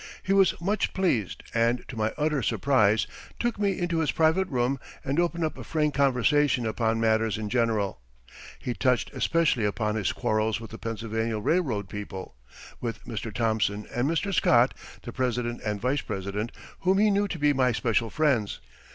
He was much pleased and, to my utter surprise, took me into his private room and opened up a frank conversation upon matters in general. He touched especially upon his quarrels with the Pennsylvania Railroad people, with Mr. Thomson and Mr. Scott, the president and vice president, whom he knew to be my special friends.